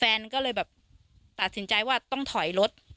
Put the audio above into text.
แฟนก็เลยแบบตัดสินใจว่าต้องถอยรถ